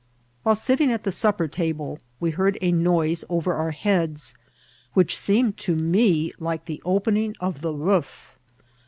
While sitting at the supper table we heard a noise over our heads, which seemed to me like the opening of the roof.